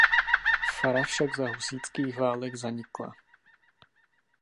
Fara však za husitských válek zanikla.